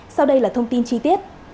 sau đây là thông tin chi tiết